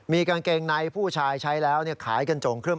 มีกางเกงในผู้ชายใช้แล้วขายกันโจ่งครึ